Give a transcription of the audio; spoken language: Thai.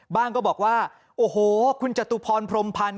ก็บอกว่าโอ้โหคุณจตุพรพรมพันธ์